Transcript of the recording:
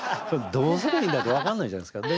どうすりゃいいんだって分かんないじゃないですか。